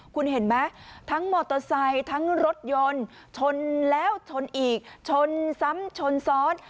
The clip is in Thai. คุณเห็นไหมทั้งมอเตอร์ไซค์ทั้งรถยนต์ชนแล้วชนอีกชนซ้ำชนซ้อน